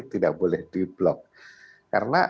tidak boleh di blok karena